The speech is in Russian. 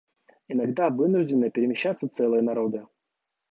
Иногда вынуждены перемещаться целые народы.